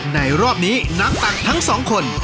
รอบนี้นักตักทั้งสองคน